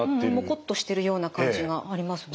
モコッとしてるような感じがありますね。